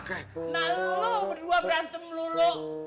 nah lo berdua berantem lu lo